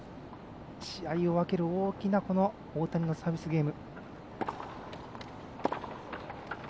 試合を分ける大谷のサービスゲーム。